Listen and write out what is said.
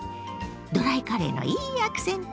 ドライカレーのいいアクセントね。